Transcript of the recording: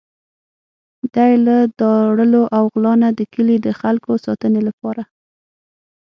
دی له داړلو او غلا نه د کلي د خلکو ساتنې لپاره.